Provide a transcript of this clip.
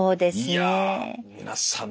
いや皆さん